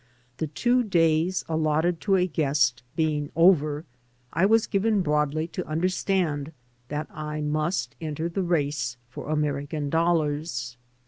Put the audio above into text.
The two days allotted to a guest being over, I was given broadly to understand that I must enter the race for American dollars.